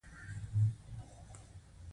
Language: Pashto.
خسرو خان ته يې وکتل.